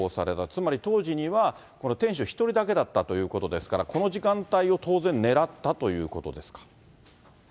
つまり、当時にはこの店主１人だけだったということですから、この時間帯を当然、狙ったということですか。